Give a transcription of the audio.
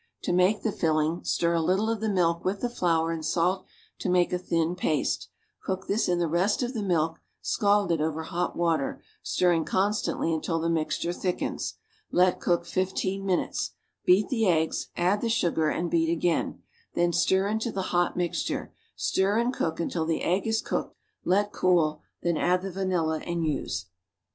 To make the filling, stir a little of the milk with the flour and salt to make a thin paste; cook this in the rest of the milk scalded over, hot water, stirring constantly until the mixture thickens; let cook fifteen minutes; beat the eggs; add the sugar, and beat again; then stir into the hot mixture; stir and cook until the egg is cooked; let cool, then add the vanilla and use.